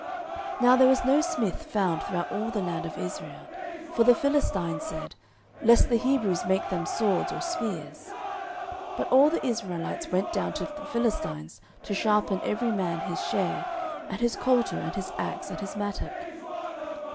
09:013:019 Now there was no smith found throughout all the land of Israel: for the Philistines said, Lest the Hebrews make them swords or spears: 09:013:020 But all the Israelites went down to the Philistines, to sharpen every man his share, and his coulter, and his axe, and his mattock.